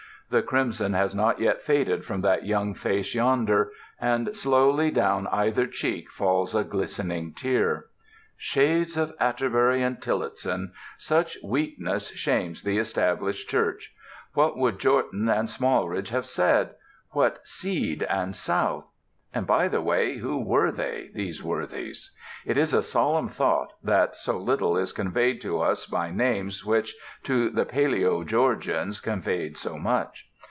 The crimson has not yet faded from that young face yonder, and slowly down either cheek falls a glistening tear. Shades of Atterbury and Tillotson! Such weakness shames the Established Church. What would Jortin and Smalridge have said? what Seed and South? And, by the way, who were they, these worthies? It is a solemn thought that so little is conveyed to us by names which to the palæo Georgians conveyed so much.